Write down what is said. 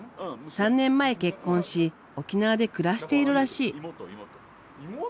３年前結婚し沖縄で暮らしているらしい。